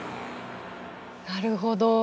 なるほど。